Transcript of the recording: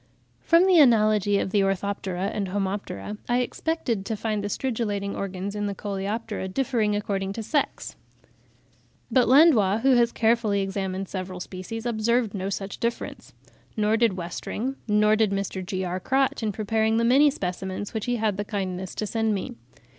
From the analogy of the Orthoptera and Homoptera, I expected to find the stridulating organs in the Coleoptera differing according to sex; but Landois, who has carefully examined several species, observed no such difference; nor did Westring; nor did Mr. G.R. Crotch in preparing the many specimens which he had the kindness to send me.